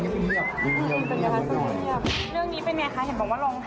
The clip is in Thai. ช่วงนี้บ้าตอนนี้มันเเบี้ยบ